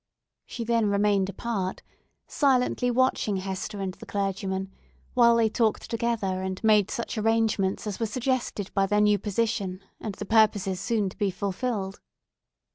She then remained apart, silently watching Hester and the clergyman; while they talked together and made such arrangements as were suggested by their new position and the purposes soon to be fulfilled.